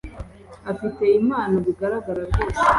afite impano bigaragara rwose